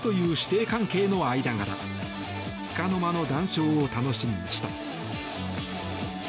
つかの間の談笑を楽しみました。